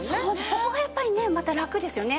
そこがやっぱりねまたラクですよね。